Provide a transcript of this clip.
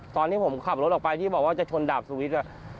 ตอนที่ผมขับรถออกไปที่บอกว่าจะชนดาบสุวิทย์